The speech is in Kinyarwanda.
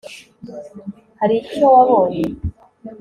hari icyo wabonye